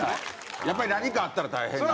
やっぱり何かあったら大変なんで。